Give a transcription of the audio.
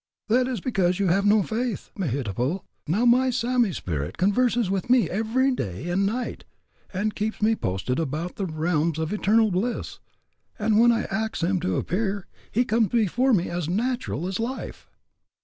"But, that is because you have no faith, Mehitable. Now, my Sammy's speerit converses with me, every day and night, and keeps me posted about the realms of eternal bliss, and when I ax him to appear, he comes before me as natural as life."